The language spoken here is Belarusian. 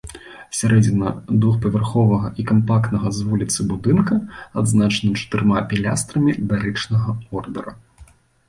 Сярэдзіна двухпавярховага і кампактнага з вуліцы будынка адзначана чатырма пілястрамі дарычнага ордэра.